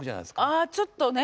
ああちょっとね。